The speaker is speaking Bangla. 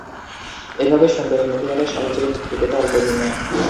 এভাবে সুন্দরী মহিলারা সহজেই মুক্তি পেত অল্প দিনে।